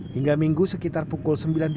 hingga minggu sekitar pukul